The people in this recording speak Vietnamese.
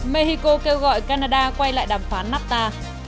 mexico kêu gọi canada quay lại đàm phán nafta